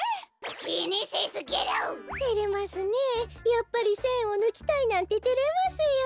やっぱりせんをぬきたいなんててれますよ。